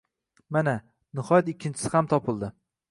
Mana, nihoyat ikkinchisi ham topildi.